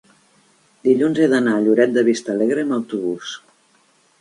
Dilluns he d'anar a Lloret de Vistalegre amb autobús.